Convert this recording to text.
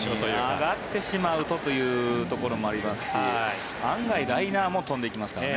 上がってしまうとというところもありますし案外、ライナーも飛んでいきますからね。